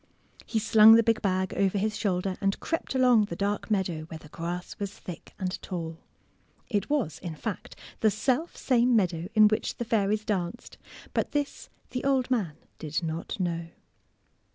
He slung the big bag over his shoulder and crept along the dark meadow where the grass was thick THE OOLD OF THE MEADOW 133 and tall. It was, in fact, the self same meadow in which the fairies danced, but this the old man did not know.